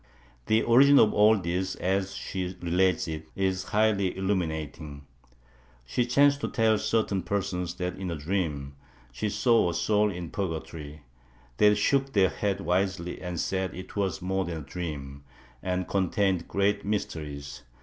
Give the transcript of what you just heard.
The origin of all this, as she related it, is highly illuminating. She chanced to tell certain persons that in a dream she saw a soul in purgatory; they shook their heads wisely and said it was more than a dream and contained great mysteries.